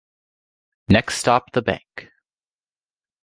Next stop the bank.